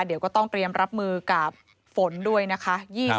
เดี๋ยวก็ต้องเตรียมรับมือกับฝนด้วยนะคะ